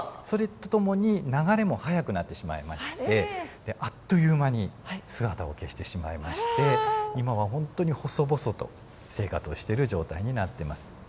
それとともに流れも速くなってしまいましてあっという間に姿を消してしまいまして今はほんとに細々と生活をしてる状態になってます。